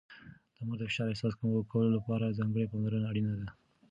د مور د فشار احساس کمولو لپاره ځانګړې پاملرنه اړینه ده.